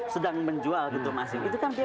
sedang menjual gitu masing masing itu kan dia